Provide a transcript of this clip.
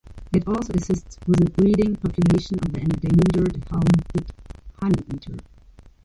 It also assists with a breeding population of the endangered helmeted honeyeater.